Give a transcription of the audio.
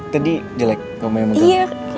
tadi jelek kamu yang muda